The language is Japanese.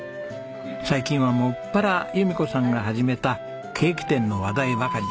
最近はもっぱら弓子さんが始めたケーキ店の話題ばかりです。